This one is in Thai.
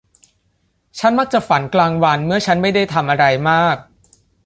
ฉันมักจะฝันกลางวันเมื่อฉันไม่ได้ทำอะไรมาก